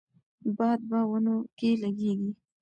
باد په ونو کې لګیږي.